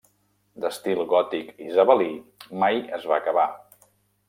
D'estil gòtic isabelí, mai es va acabar.